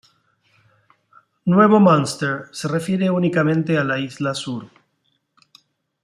Nuevo Munster se refiere únicamente a la Isla Sur.